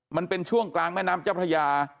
มันเป็นช่วงกลางแม่น้ำเจ้าพระยา